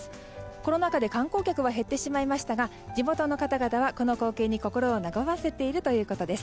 コロナ禍で観光客は減ってしまいましたが地元の方々はこの光景に心を和ませているということです。